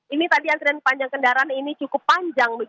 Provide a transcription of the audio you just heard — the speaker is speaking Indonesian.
ini tadi antrian panjang kendaraan ini cukup panjang